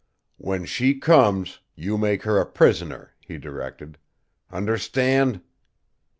"When she comes, you make her a prisoner," he directed. "Understand?"